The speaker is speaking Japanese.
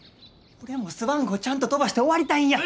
俺もスワン号ちゃんと飛ばして終わりたいんや。